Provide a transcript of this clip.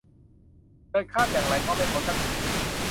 เดินข้ามอย่างไรก็ไม่พ้นสักที